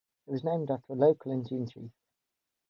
It was named after a local Indian chief.